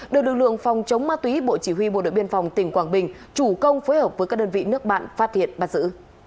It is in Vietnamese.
được lực lượng phòng chống ma túy bộ chỉ huy bộ đội biên phòng tỉnh quảng bình chủ công phối hợp với các đơn vị nước bạn phát hiện bắt giữ